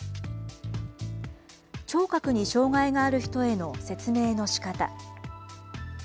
聴覚に障害がある人への説明のしかた。